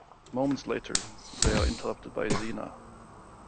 Moments later, they are interrupted by Zeena.